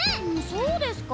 そうですか？